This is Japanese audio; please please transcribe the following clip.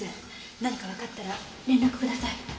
何かわかったら連絡ください。